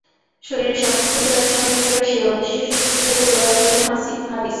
শরীরের সবটুকু জোর একসঙ্গে করে সেই অদৃশ্য শক্তির বিরুদ্ধে লড়াই করলেন হারিস।